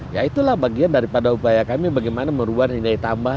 ya itulah bagian daripada upaya kami bagaimana merubah nilai tambah